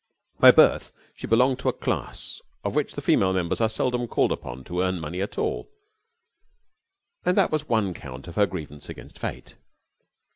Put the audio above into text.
By birth she belonged to a class of which the female members are seldom called upon to earn money at all, and that was one count of her grievance against Fate.